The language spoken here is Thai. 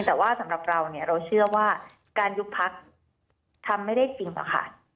แต่ว่าสำหรับเราเนี่ยเราเชื่อว่าการยุบพักทำไม่ได้จริงอะค่ะ